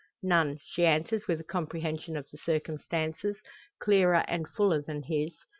"None," she answers with a comprehension of the circumstances clearer and fuller than his.